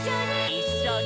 「いっしょに」